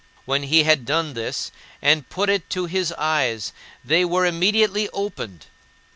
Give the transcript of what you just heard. When he had done this, and put it to his eyes, they were immediately opened.